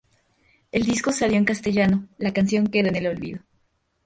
El disco salió en castellano, la canción quedó en el olvido.